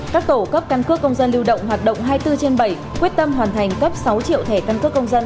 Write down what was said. các tổ cấp căn cước công dân lưu động hoạt động hai mươi bốn trên bảy quyết tâm hoàn thành cấp sáu triệu thẻ căn cước công dân